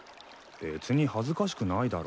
別に恥ずかしくないだろ。